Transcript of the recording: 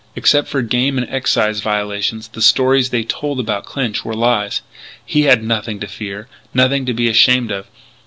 Except for game and excise violations the stories they told about Clinch were lies. He had nothing to fear, nothing to be ashamed of.